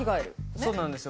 そうなんですよ。